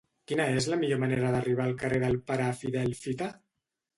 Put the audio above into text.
Quina és la millor manera d'arribar al carrer del Pare Fidel Fita?